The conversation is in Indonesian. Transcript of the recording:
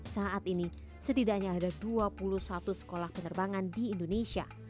saat ini setidaknya ada dua puluh satu sekolah penerbangan di indonesia